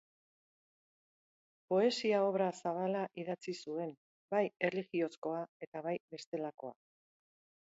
Poesia-obra zabala idatzi zuen, bai erlijiozkoa eta bai bestelakoa.